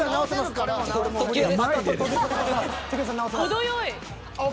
［程よい］